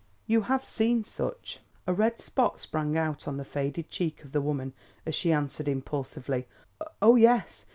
You have seen such?" A red spot sprang out on the faded cheek of the woman as she answered impulsively: "Oh, yes.